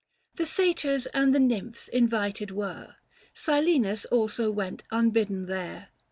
The satyrs and the nymphs invited were, Silenus also went unbidden there.